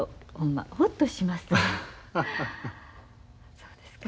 そうですか。